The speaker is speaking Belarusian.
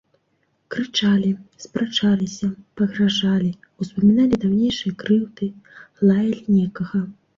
Крычалі, спрачаліся, пагражалі, успаміналі даўнейшыя крыўды, лаялі некага.